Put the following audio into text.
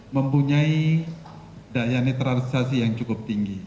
mempunyai daya netralisasi yang cukup tinggi